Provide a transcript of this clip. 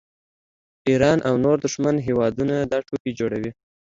ایران او نور دښمن هیوادونه دا ټوکې جوړوي